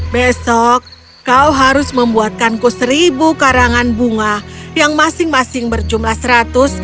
besok kau harus membuatkanku seribu karangan bunga yang masing masing berjumlah seratus